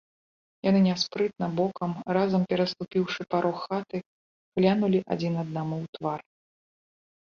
Яны няспрытна, бокам, разам пераступіўшы парог хаты, глянулі адзін аднаму ў твар.